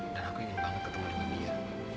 dan aku ingin banget ketemu dengan dia